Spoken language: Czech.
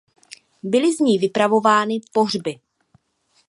Byly z ní vypravovány pohřby.